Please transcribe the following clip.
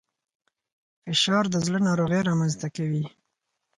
فشار د زړه ناروغۍ رامنځته کوي